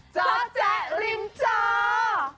เจาะแจ๊ะริมเจาะ